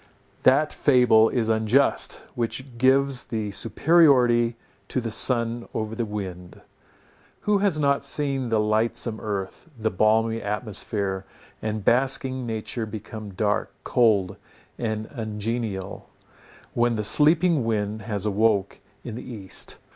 That fable is unjust, which gives the superiority to the sun over the wind. Who has not seen the lightsome earth, the balmy atmosphere, and basking nature become dark, cold and ungenial, when the sleeping wind has awoke in the east?